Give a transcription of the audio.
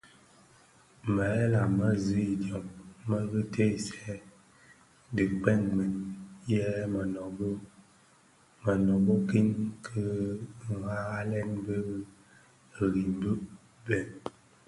Meghela mě zi idyom meri teesèn dhikpegmen yè menőbökin kè ghaghalen birimbi bhëñ,